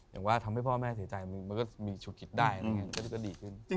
อย่างว่าทำให้พ่อแม่เสียใจมันก็มีชุดคิดได้มันก็ดีขึ้น